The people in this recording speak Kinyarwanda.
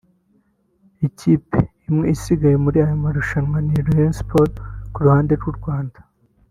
Ikipe imwe isigaye muri aya marushanwa ni Rayon Sports ku ruhande rw’u Rwanda